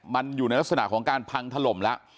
มันอยู่ในลักษณะของการพังถล่มแล้ว